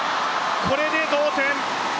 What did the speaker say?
これで同点。